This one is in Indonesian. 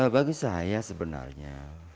bagi saya sebenarnya